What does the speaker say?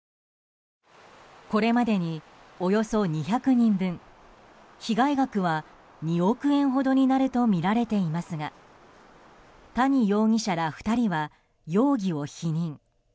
これまでに、およそ２００人分被害額は２億円ほどになるとみられていますが谷容疑者ら２人は容疑を否認。